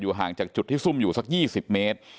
ห่างจากจุดที่ซุ่มอยู่สัก๒๐เมตร